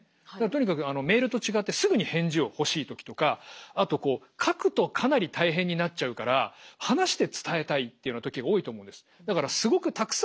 とにかくメールと違ってすぐに返事を欲しいときとかあとこう書くとかなり大変になっちゃうから話して伝えたいっていうような時が多いと思うんです。